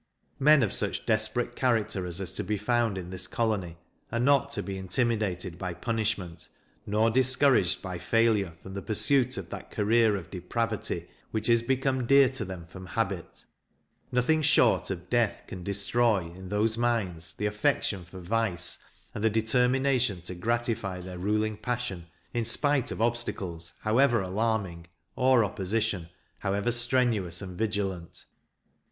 Men of such desperate characters as are to be found in this colony, are not to be intimidated by punishment, nor discouraged by failure from the pursuit of that career of depravity, which is become dear to them from habit; nothing short of death can destroy, in those minds, the affection for vice, and the determination to gratify their ruling passion, in spite of obstacles, however alarming, or opposition, however strenuous and vigilant.